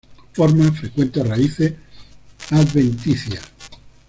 Forma frecuentes raíces adventicias.